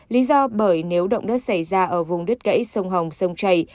lý do bởi nếu động đất xảy ra ở vùng đất gãy sông hồng sông chảy